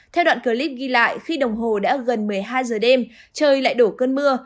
theo đoạn clip ghi lại khi đồng hồ đã gần một mươi hai giờ đêm trời lại đổ cơn mưa